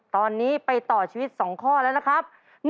ตอนนี้ไปต่อชีวิต๒ข้อแล้วนะครับ